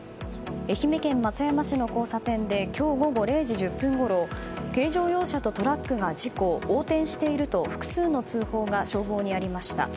愛媛県松山市の交差点で今日午後０時１０分ごろ軽乗用車とトラックが事故横転していると複数の通報が消防にありました。